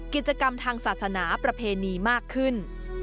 กิจกรรมทางศาสนาประเพณีมากขึ้น